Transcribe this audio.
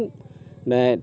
trái về sáu chân